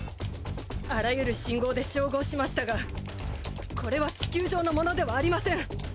あらゆる信号で照合しましたがこれは地球上のものではありません。